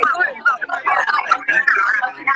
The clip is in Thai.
จะมาหาอีกรอบ